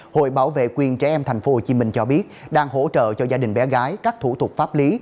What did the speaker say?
hội bảo vệ quyền trẻ em tp hcm cho biết đang hỗ trợ cho gia đình bé gái các thủ tục pháp lý